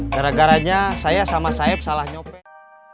gara garanya saya sama saib salah nyopet